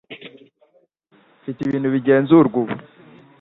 Mfite ibintu bigenzurwa ubu